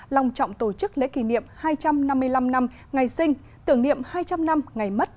lòng trọng tổ chức lễ kỷ niệm hai trăm năm mươi năm năm ngày sinh tưởng niệm hai trăm linh năm ngày mất